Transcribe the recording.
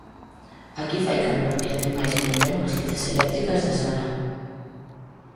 Aquí fai calor, e ademais prenderon as luces eléctricas da sala.